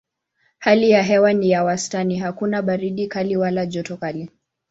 Hali ya hewa ni ya wastani: hakuna baridi kali wala joto kali.